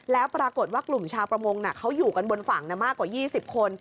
แล้วปรากฏว่ากลุ่มชาวประมงเขาอยู่กันบนฝั่งมากกว่า๒๐คน